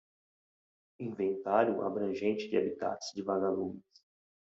Inventário abrangente de habitats de vaga-lumes